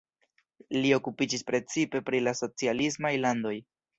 Li okupiĝis precipe pri la socialismaj landoj.